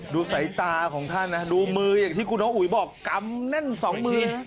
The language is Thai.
ดูสายตาของท่านนะดูมืออย่างที่คุณน้องอุ๋ยบอกกำแน่นสองมือ